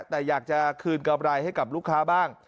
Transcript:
แต่อยากจะคืนกำไรให้กับลูกค้าบ้าง